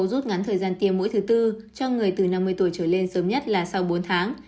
rút ngắn thời gian tiêm mỗi thứ tư cho người từ năm mươi tuổi trở lên sớm nhất là sau bốn tháng